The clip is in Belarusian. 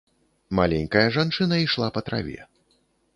Маленькая жанчына ішла па траве.